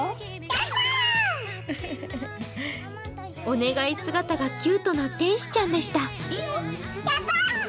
お願い姿がキュートな天使ちゃんでした。